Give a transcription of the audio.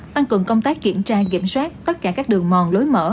tăng cường công tác kiểm tra kiểm soát tất cả các đường mòn lối mở